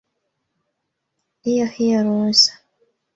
Hiyo hiyo ruhusa